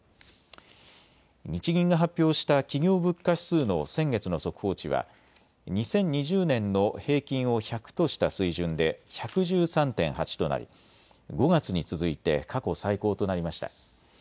日銀が発表した企業物価指数の先月の速報値は２０２０年の平均を１００とした水準で１１３．８となり５月に続いて過去最高となりました。